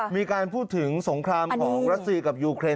มีการพูดถึงสงครามของรัสเซียกับยูเครน